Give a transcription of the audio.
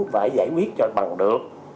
phải giải quyết cho bằng được